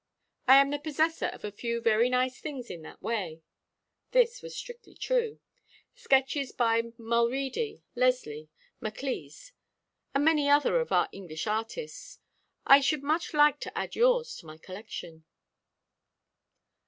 I am the possessor of a few very nice things in that way" this was strictly true "sketches by Mulready, Leslie, Maclise, and many other of our English artists. I should much like to add yours to my collection."